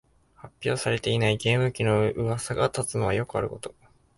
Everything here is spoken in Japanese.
発表されていないゲーム機のうわさが立つのはよくあること